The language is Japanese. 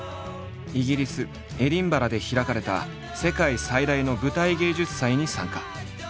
イギリスエディンバラで開かれた世界最大の舞台芸術祭に参加。